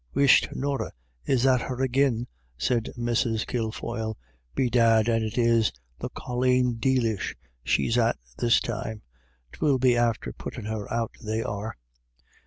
"Whisht, Norah! is that her agin?" said Mrs. Kilfoyle. "Bedad and it is — The Colleen Deelish she's at this time. 'Twill be after puttin' her out they are."